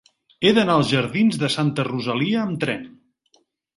He d'anar als jardins de Santa Rosalia amb tren.